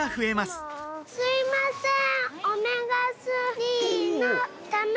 すいません。